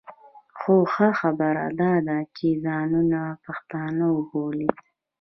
خو ښه خبره دا ده چې ځانونه پښتانه بولي.